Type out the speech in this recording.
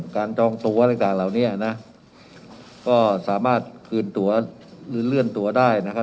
จองตัวอะไรต่างเหล่านี้นะก็สามารถคืนตัวหรือเลื่อนตัวได้นะครับ